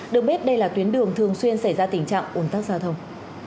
được biết đây là tuyến đường thường xuyên xảy ra tình trạng ồn tắc giao thông